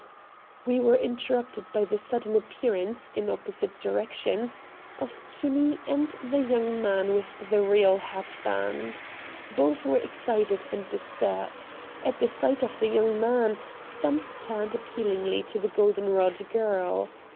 We were interrupted by the sudden appearance, in opposite directions, of Kinney and the young man with the real hat band. Both were excited and disturbed. At the sight of the young man, Stumps turned appealingly to the golden rod girl.